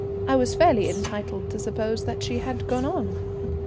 I was fairly entitled to suppose that she had gone on.